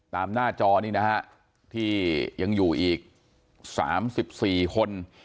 ตามหน้าจอนี้นะครับที่ยังอยู่อีก๓๔คน